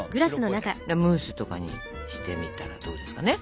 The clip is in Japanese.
ムースとかにしてみたらどうですかね。